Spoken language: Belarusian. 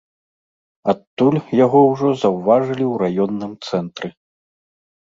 Адтуль яго ўжо заўважылі ў раённым цэнтры.